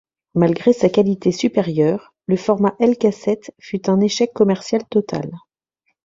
Malgré sa qualité supérieure, le format Elcaset fut un échec commercial total.